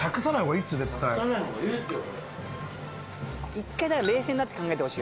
一回だから冷静になって考えてほしいよね。